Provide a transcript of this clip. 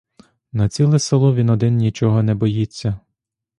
На ціле село він один нічого не боїться.